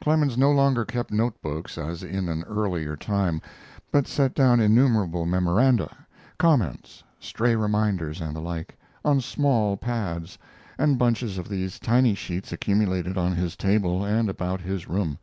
Clemens no longer kept note books, as in an earlier time, but set down innumerable memoranda comments, stray reminders, and the like on small pads, and bunches of these tiny sheets accumulated on his table and about his room.